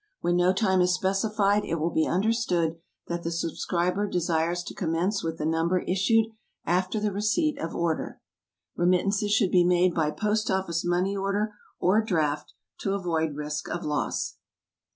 When no time is specified, it will be understood that the subscriber desires to commence with the Number issued after the receipt of order. Remittances should be made by POST OFFICE MONEY ORDER or DRAFT, to avoid risk of loss.